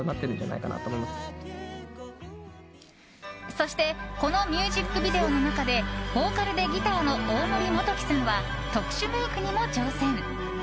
そしてこのミュージックビデオの中でボーカルでギターの大森元貴さんは特殊メイクにも挑戦。